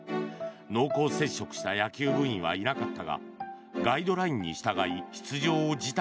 濃厚接触した野球部員はいなかったがガイドラインに従い出場辞退。